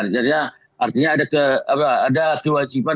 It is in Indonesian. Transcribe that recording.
jadi artinya ada kewajiban